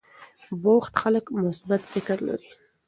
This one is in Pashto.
بوخت خلک مثبت فکر لري.